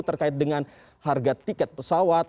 terkait dengan harga tiket pesawat